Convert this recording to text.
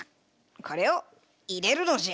これを入れるのじゃ。